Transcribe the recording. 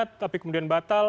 tapi kemudian batal